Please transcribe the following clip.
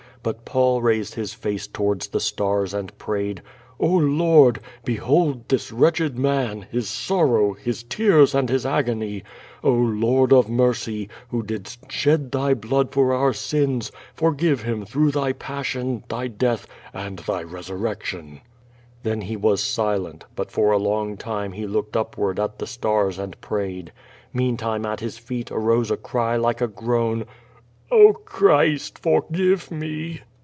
But Paul raised his face towards the stars and prayed — "Oh, Lord, behold this wretched man, his sorrow, his tears, and his agony! Oh, Lord of mercy, who didst shed Thy blood for our sins, forgive him through Thy passion. Thy death, and Thy resurrection." Then he was silent, but for a long time he looked upward at the stars and prayed. Meantime at his feet arose a cry like a groan. "Oh, Christ! forgive me!"